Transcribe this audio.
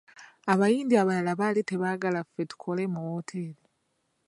Abayindi abalala baali tebaagala ffe tukole mu wooteri.